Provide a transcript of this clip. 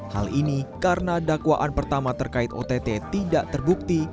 hal ini karena dakwaan pertama terkait ott tidak terbukti